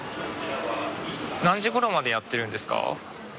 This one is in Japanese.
何時頃までやってるんですか？